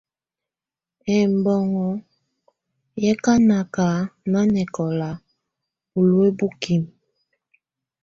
Ɛbɔnɔ̀ yɛ̀ kà nakà nanɛkɔ̀la buluǝ́ bukimǝ.